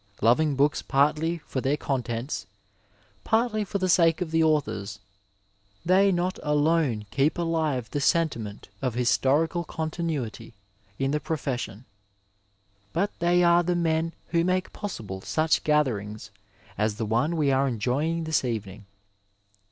Loving books partly for their contents, partly for the sake of the authors, they not alone keep alive the sentiment of historical continuity in the pro fession, but they are the men who make possible such gatherings as the one we are enjoying this evening.